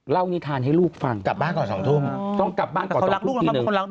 เล่านี่ทานให้ลูกฟังกลับบ้านก่อน๒ทุ่มต้องกลับบ้านก่อน๒ทุ่มทีนึง